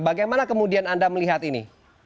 bagaimana kemudian anda melihat ini